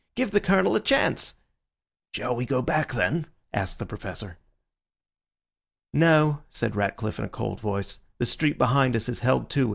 Give the Colonel a chance." "Shall we go back, then?" asked the Professor. "No," said Ratcliffe in a cold voice, "the street behind us is held too.